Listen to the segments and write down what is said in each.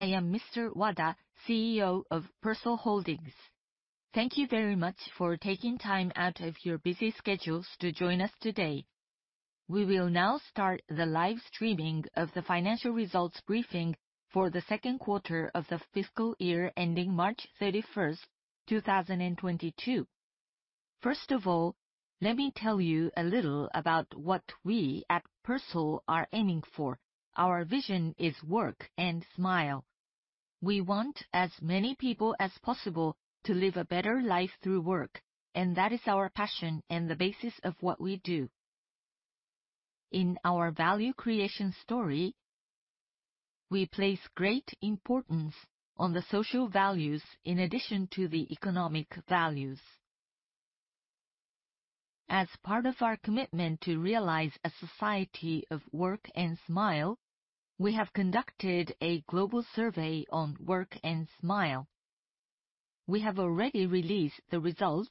I am Mr. Wada, CEO of PERSOL Holdings. Thank you very much for taking time out of your busy schedules to join us today. We will now start the live streaming of the financial results briefing for the second quarter of the fiscal year ending March 31, 2022. First of all, let me tell you a little about what we at PERSOL are aiming for. Our vision is Work and Smile. We want as many people as possible to live a better life through work, and that is our passion and the basis of what we do. In our value creation story, we place great importance on the social values in addition to the economic values. As part of our commitment to realize a society of Work and Smile, we have conducted a global survey on Work and Smile. We have already released the results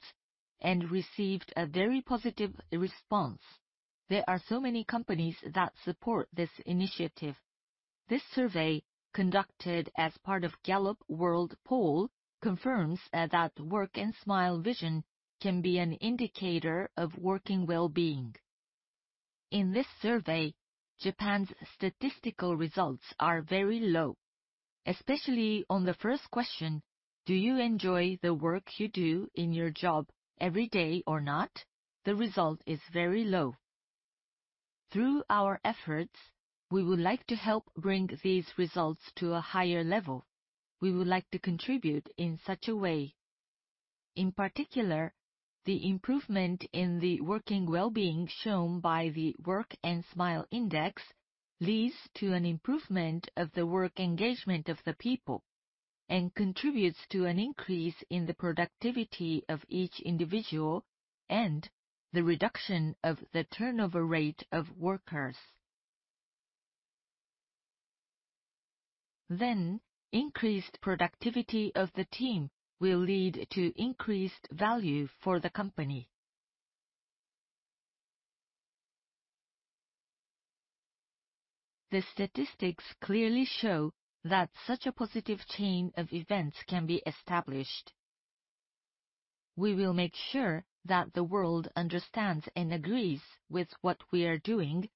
and received a very positive response. There are so many companies that support this initiative. This survey, conducted as part of Gallup World Poll, confirms that Work and Smile vision can be an indicator of working well-being. In this survey, Japan's statistical results are very low, especially on the first question, do you enjoy the work you do in your job every day or not? The result is very low. Through our efforts, we would like to help bring these results to a higher level. We would like to contribute in such a way. In particular, the improvement in the working well-being shown by the Work and Smile Index leads to an improvement of the work engagement of the people and contributes to an increase in the productivity of each individual and the reduction of the turnover rate of workers. Increased productivity of the team will lead to increased value for the company. The statistics clearly show that such a positive chain of events can be established. We will make sure that the world understands and agrees with what we are doing,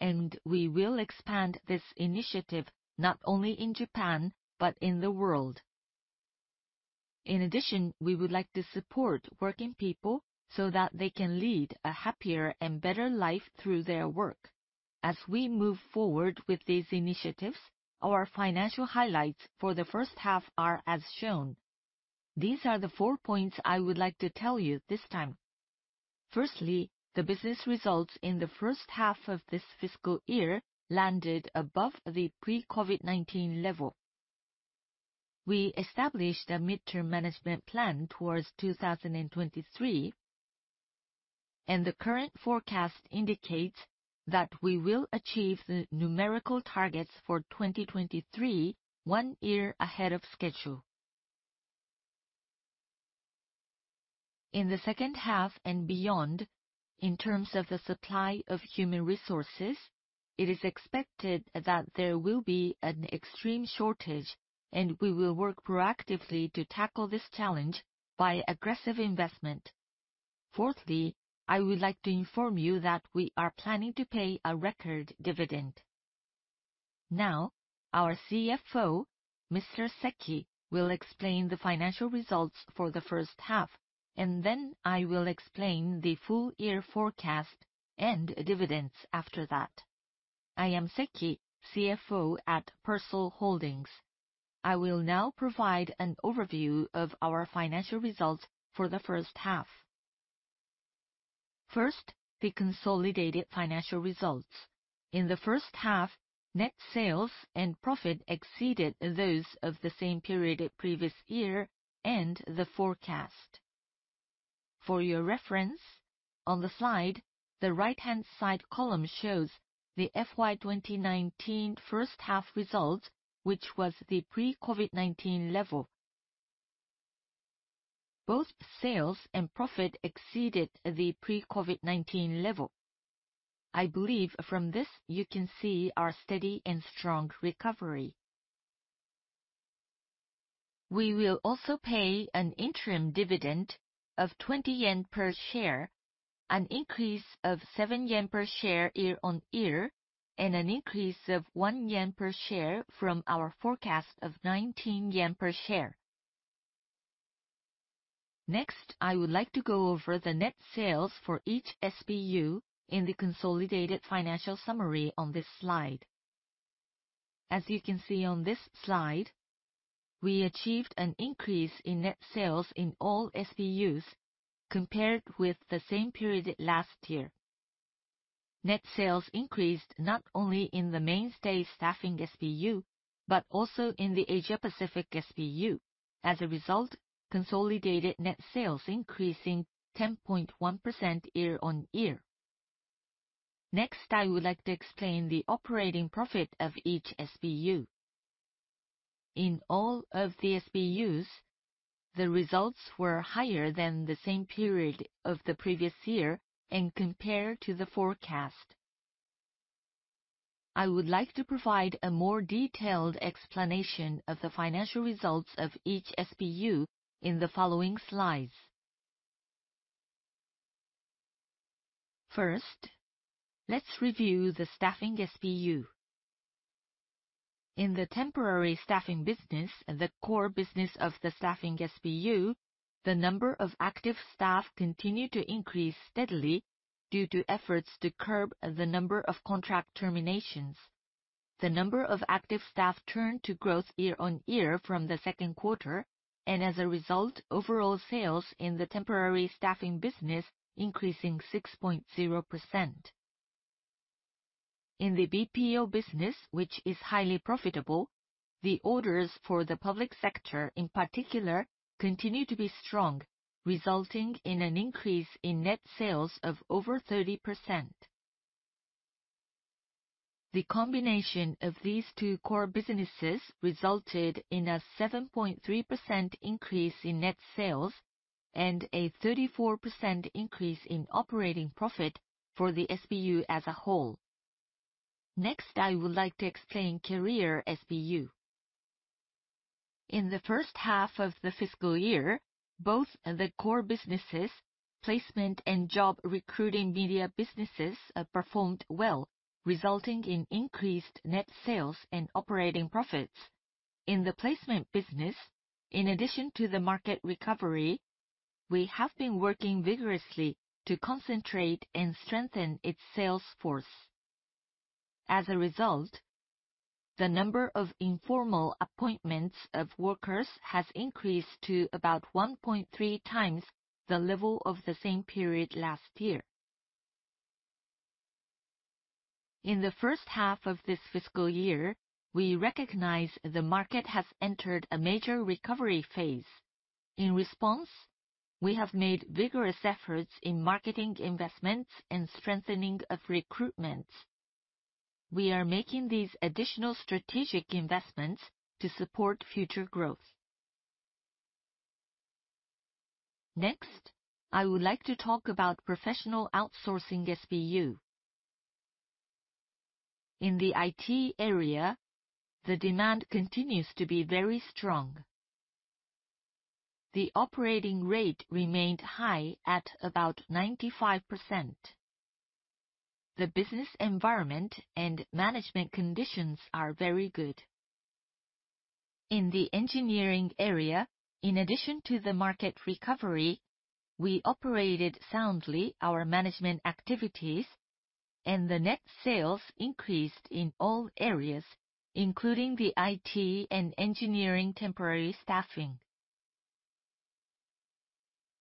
and we will expand this initiative not only in Japan, but in the world. In addition, we would like to support working people so that they can lead a happier and better life through their work. As we move forward with these initiatives, our financial highlights for the first half are as shown. These are the four points I would like to tell you this time. Firstly, the business results in the first half of this fiscal year landed above the pre-COVID-19 level. We established a midterm management plan towards 2023, and the current forecast indicates that we will achieve the numerical targets for 2023 one year ahead of schedule. In the second half and beyond, in terms of the supply of human resources, it is expected that there will be an extreme shortage, and we will work proactively to tackle this challenge by aggressive investment. Fourthly, I would like to inform you that we are planning to pay a record dividend. Now, our CFO, Mr. Seki, will explain the financial results for the first half, and then I will explain the full year forecast and dividends after that. I am Seki, CFO at PERSOL Holdings. I will now provide an overview of our financial results for the first half. First, the consolidated financial results. In the first half, net sales and profit exceeded those of the same period previous year and the forecast. For your reference, on the slide, the right-hand side column shows the FY 2019 first half results, which was the pre-COVID-19 level. Both sales and profit exceeded the pre-COVID-19 level. I believe from this you can see our steady and strong recovery. We will also pay an interim dividend of 20 yen per share, an increase of 7 yen per share year on year, and an increase of 1 yen per share from our forecast of 19 yen per share. Next, I would like to go over the net sales for each SBU in the consolidated financial summary on this slide. As you can see on this slide, we achieved an increase in net sales in all SBUs compared with the same period last year. Net sales increased not only in the mainstay Staffing SBU, but also in the Asia Pacific SBU. As a result, consolidated net sales increasing 10.1% year-on-year. Next, I would like to explain the operating profit of each SBU. In all of the SBUs. The results were higher than the same period of the previous year and compared to the forecast. I would like to provide a more detailed explanation of the financial results of each SBU in the following slides. First, let's review the Staffing SBU. In the temporary staffing business and the core business of the Staffing SBU, the number of active staff continued to increase steadily due to efforts to curb the number of contract terminations. The number of active staff turned to growth year-on-year from the second quarter, and as a result, overall sales in the temporary staffing business increasing 6.0%. In the BPO business, which is highly profitable, the orders for the public sector, in particular, continue to be strong, resulting in an increase in net sales of over 30%. The combination of these two core businesses resulted in a 7.3% increase in net sales and a 34% increase in operating profit for the SBU as a whole. Next, I would like to explain Career SBU. In the first half of the fiscal year, both the core businesses, placement and job recruiting media businesses, performed well, resulting in increased net sales and operating profits. In the placement business, in addition to the market recovery, we have been working vigorously to concentrate and strengthen its sales force. As a result, the number of informal appointments of workers has increased to about 1.3 times the level of the same period last year. In the first half of this fiscal year, we recognize the market has entered a major recovery phase. In response, we have made vigorous efforts in marketing investments and strengthening of recruitment. We are making these additional strategic investments to support future growth. Next, I would like to talk about Professional Outsourcing SBU. In the IT area, the demand continues to be very strong. The operating rate remained high at about 95%. The business environment and management conditions are very good. In the engineering area, in addition to the market recovery, we operated soundly our management activities and the net sales increased in all areas, including the IT and engineering temporary staffing.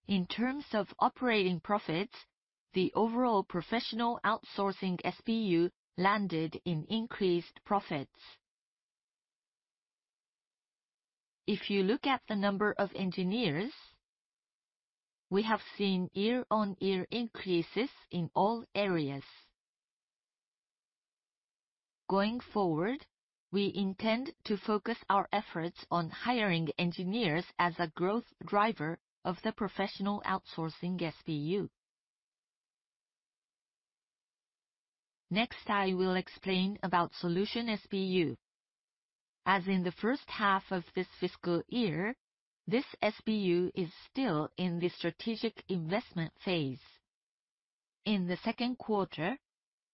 In terms of operating profits, the overall Professional Outsourcing SBU landed in increased profits. If you look at the number of engineers, we have seen year-on-year increases in all areas. Going forward, we intend to focus our efforts on hiring engineers as a growth driver of the Professional Outsourcing SBU. Next, I will explain about Solution SBU. As in the first half of this fiscal year, this SBU is still in the strategic investment phase. In the second quarter,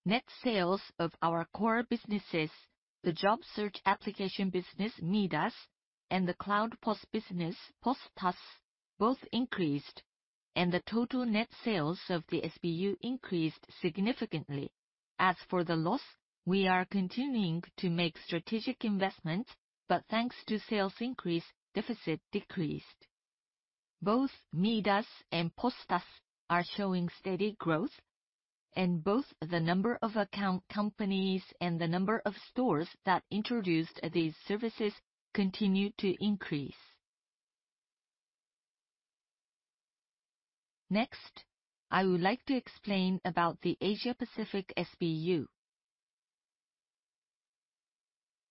net sales of our core businesses, the job search application business, MIIDAS, and the cloud POS business, POS+, both increased, and the total net sales of the SBU increased significantly. As for the loss, we are continuing to make strategic investments, but thanks to sales increase, deficit decreased. Both MIIDAS and POS+ are showing steady growth. Both the number of account companies and the number of stores that introduced these services continue to increase. Next, I would like to explain about the Asia Pacific SBU.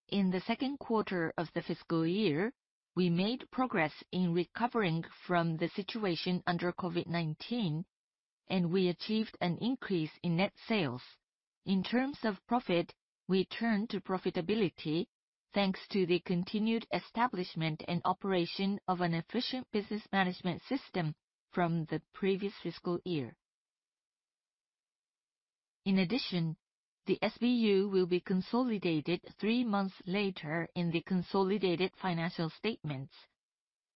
In the second quarter of the fiscal year, we made progress in recovering from the situation under COVID-19, and we achieved an increase in net sales. In terms of profit, we turned to profitability thanks to the continued establishment and operation of an efficient business management system from the previous fiscal year. In addition, the SBU will be consolidated three months later in the consolidated financial statements.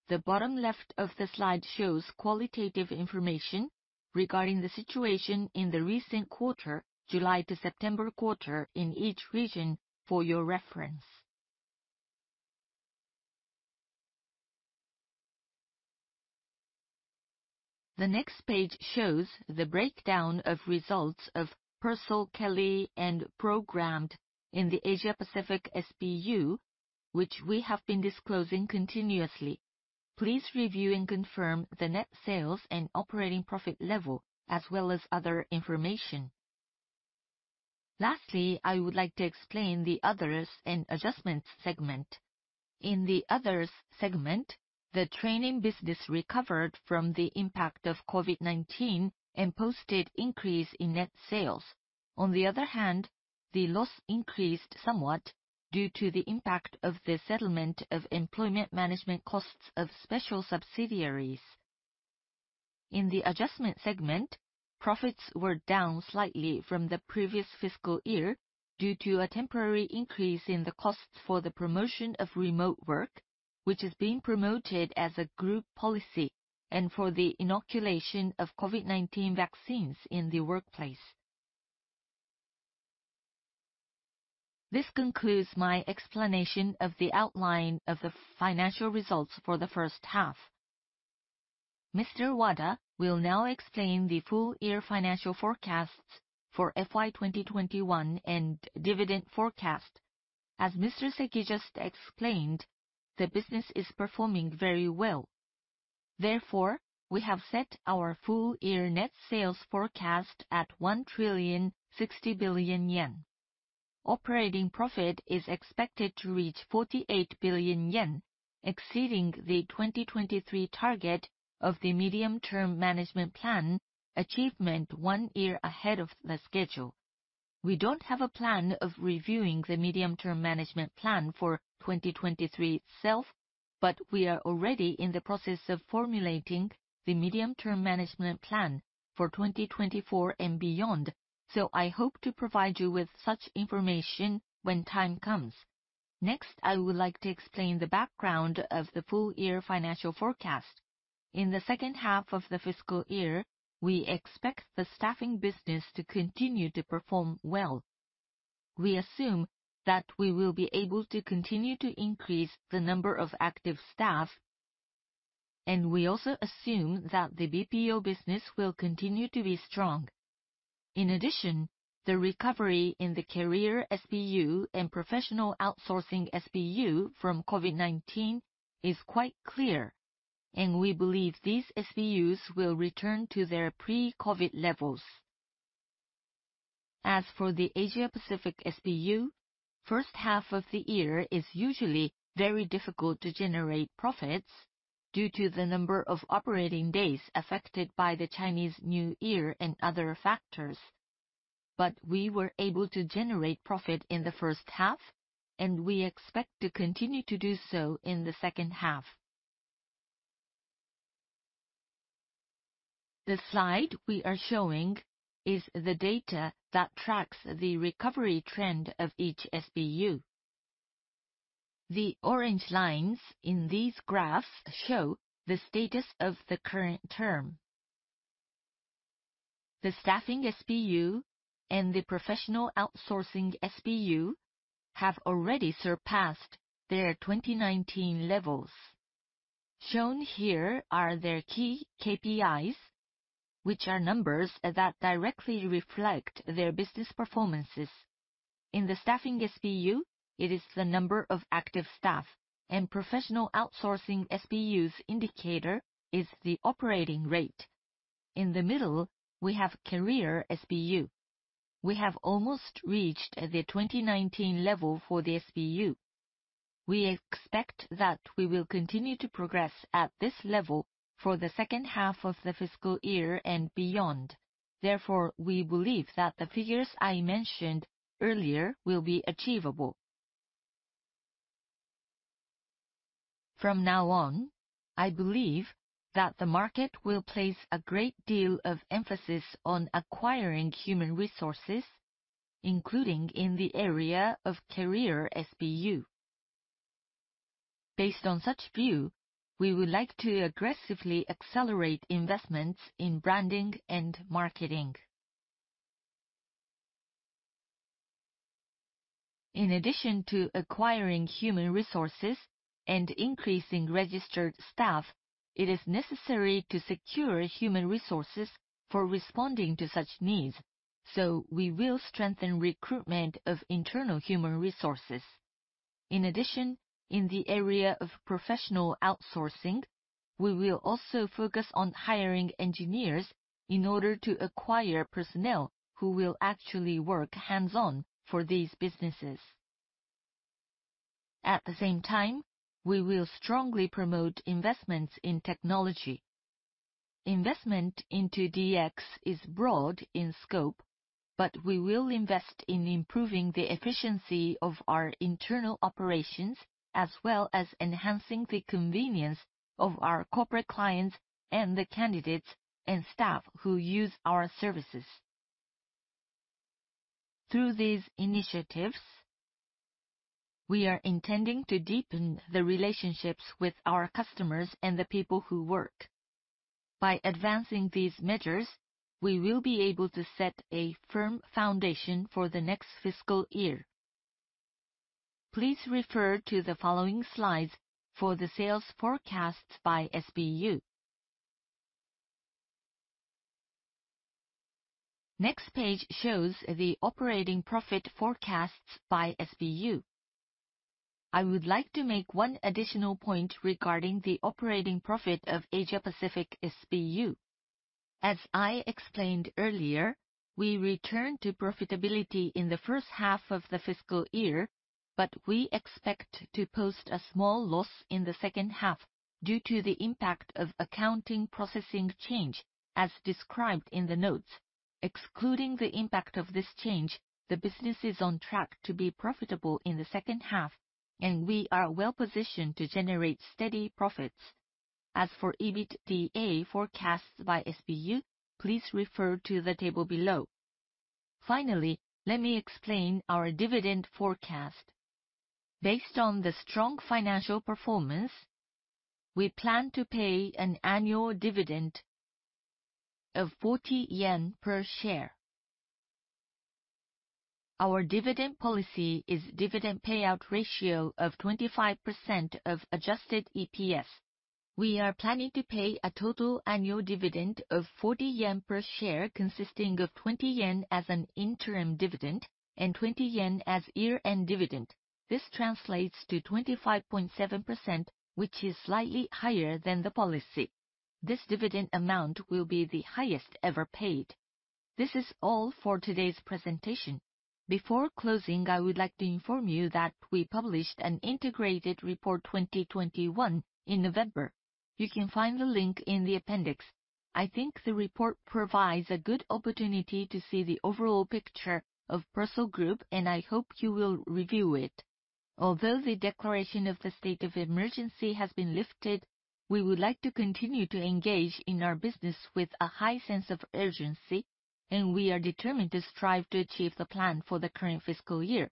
The bottom left of the slide shows qualitative information regarding the situation in the recent quarter, July to September quarter, in each region for your reference. The next page shows the breakdown of results of PERSOL, Kelly, and Programmed in the Asia Pacific SBU, which we have been disclosing continuously. Please review and confirm the net sales and operating profit level, as well as other information. Lastly, I would like to explain the Others and Adjustments segment. In the Others segment, the training business recovered from the impact of COVID-19 and posted increase in net sales. On the other hand, the loss increased somewhat due to the impact of the settlement of employment management costs of special subsidiaries. In the Adjustments segment, profits were down slightly from the previous fiscal year due to a temporary increase in the cost for the promotion of remote work, which is being promoted as a group policy and for the inoculation of COVID-19 vaccines in the workplace. This concludes my explanation of the outline of the financial results for the first half. Mr. Wada will now explain the full year financial forecasts for FY 2021 and dividend forecast. As Mr. Seki just explained, the business is performing very well. Therefore, we have set our full year net sales forecast at 1,060 billion yen. Operating profit is expected to reach 48 billion yen, exceeding the 2023 target of the medium term management plan achievement one year ahead of the schedule. We don't have a plan of reviewing the medium term management plan for 2023 itself, but we are already in the process of formulating the medium term management plan for 2024 and beyond. I hope to provide you with such information when time comes. Next, I would like to explain the background of the full year financial forecast. In the second half of the fiscal year, we expect the staffing business to continue to perform well. We assume that we will be able to continue to increase the number of active staff, and we also assume that the BPO business will continue to be strong. In addition, the recovery in the Career SBU and Professional Outsourcing SBU from COVID-19 is quite clear, and we believe these SBUs will return to their pre-COVID levels. As for the Asia Pacific SBU, first half of the year is usually very difficult to generate profits due to the number of operating days affected by the Chinese New Year and other factors. We were able to generate profit in the first half, and we expect to continue to do so in the second half. The slide we are showing is the data that tracks the recovery trend of each SBU. The orange lines in these graphs show the status of the current term. The Staffing SBU and the Professional Outsourcing SBU have already surpassed their 2019 levels. Shown here are their key KPIs, which are numbers that directly reflect their business performances. In the Staffing SBU, it is the number of active staff and Professional Outsourcing SBU's indicator is the operating rate. In the middle, we have Career SBU. We have almost reached the 2019 level for the SBU. We expect that we will continue to progress at this level for the second half of the fiscal year and beyond. Therefore, we believe that the figures I mentioned earlier will be achievable. From now on, I believe that the market will place a great deal of emphasis on acquiring human resources, including in the area of Career SBU. Based on such view, we would like to aggressively accelerate investments in branding and marketing. In addition to acquiring human resources and increasing registered staff, it is necessary to secure human resources for responding to such needs. We will strengthen recruitment of internal human resources. In addition, in the area of Professional Outsourcing, we will also focus on hiring engineers in order to acquire personnel who will actually work hands-on for these businesses. At the same time, we will strongly promote investments in technology. Investment into DX is broad in scope, but we will invest in improving the efficiency of our internal operations, as well as enhancing the convenience of our corporate clients and the candidates and staff who use our services. Through these initiatives, we are intending to deepen the relationships with our customers and the people who work. By advancing these measures, we will be able to set a firm foundation for the next fiscal year. Please refer to the following slides for the sales forecasts by SBU. Next page shows the operating profit forecasts by SBU. I would like to make one additional point regarding the operating profit of Asia Pacific SBU. As I explained earlier, we return to profitability in the first half of the fiscal year, but we expect to post a small loss in the second half due to the impact of accounting processing change, as described in the notes. Excluding the impact of this change, the business is on track to be profitable in the second half, and we are well-positioned to generate steady profits. As for EBITDA forecasts by SBU, please refer to the table below. Finally, let me explain our dividend forecast. Based on the strong financial performance, we plan to pay an annual dividend of 40 yen per share. Our dividend policy is dividend payout ratio of 25% of adjusted EPS. We are planning to pay a total annual dividend of 40 yen per share, consisting of 20 yen as an interim dividend and 20 yen as year-end dividend. This translates to 25.7%, which is slightly higher than the policy. This dividend amount will be the highest ever paid. This is all for today's presentation. Before closing, I would like to inform you that we published an integrated report 2021 in November. You can find the link in the appendix. I think the report provides a good opportunity to see the overall picture of PERSOL Group, and I hope you will review it. Although the declaration of the state of emergency has been lifted, we would like to continue to engage in our business with a high sense of urgency, and we are determined to strive to achieve the plan for the current fiscal year.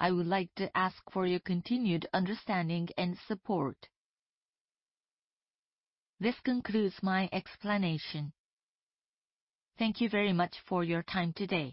I would like to ask for your continued understanding and support. This concludes my explanation. Thank you very much for your time today.